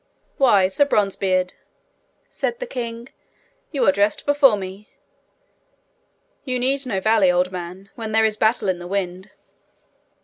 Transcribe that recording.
'Why, Sir Bronzebeard!' said the king, 'you are dressed before me! You need no valet, old man, when there is battle in the wind!'